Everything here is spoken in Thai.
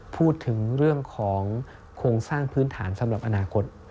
พูดถึงเรื่องของโครงสร้างพื้นฐานสำหรับอนาคต